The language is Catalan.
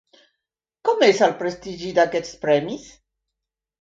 Com és el prestigi d'aquests premis?